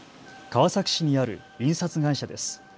川崎市にある印刷会社です。